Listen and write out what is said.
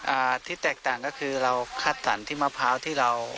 อ่าที่แตกต่างก็คือเราคัดสรรที่มะพร้าวที่เรา